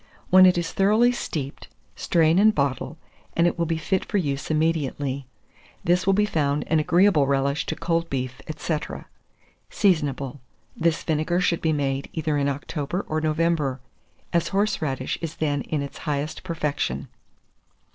When it is thoroughly steeped, strain and bottle, and it will be fit for use immediately. This will be found an agreeable relish to cold beef, &c. Seasonable. This vinegar should be made either in October or November, as horseradish is then in its highest perfection.